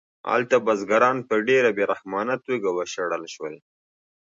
هلته بزګران په ډېره بې رحمانه توګه وشړل شول